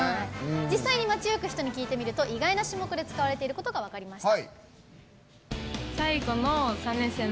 実際に街行く人に聞いてみると意外な種目で使われていることが分かりました。